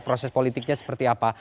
proses politiknya seperti apa